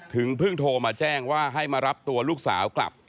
เพิ่งโทรมาแจ้งว่าให้มารับตัวลูกสาวกลับ